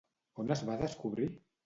On es va descobrir?